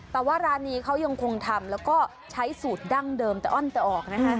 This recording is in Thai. แต่ว่าร้านนี้เขายังคงทำแล้วก็ใช้สูตรดั้งเดิมแต่อ้อนแต่ออกนะคะ